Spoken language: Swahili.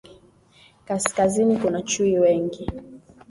Kaskazini kuna chui wengi